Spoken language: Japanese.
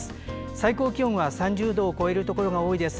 最高気温は３０度を超えるところが多いです。